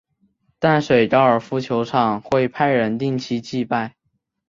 淡水高尔夫球场会派人定期祭拜。